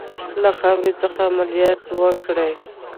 له خاورې څخه عملیات وکړي.